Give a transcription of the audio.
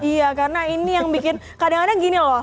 iya karena ini yang bikin kadang kadang gini loh